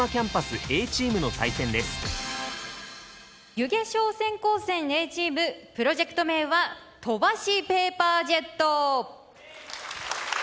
弓削商船高専Ａチームプロジェクト名はトバシ・ペーパージェット。